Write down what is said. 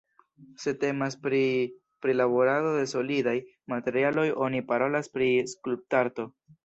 Se temas pri prilaborado de solidaj materialoj oni parolas pri skulptarto.